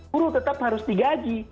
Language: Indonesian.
guru tetap harus digaji